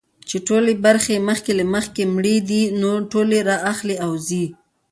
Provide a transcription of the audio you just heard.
چي ټولي برخي مخکي له مخکي مړې دي نو ټولي را اخلي او ځي.